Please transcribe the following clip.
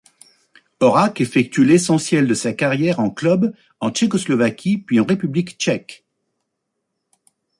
Horák effectue l'essentiel de sa carrière en club en Tchécoslovaquie puis en République tchèque.